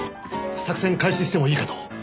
作戦開始してもいいかと。